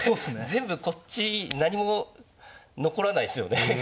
全部こっち何も残らないですよね。